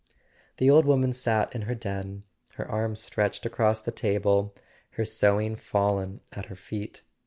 The old woman sat in her den, her arms stretched across the table, her sewing fallen at her feet.